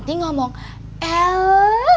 yang ini betulan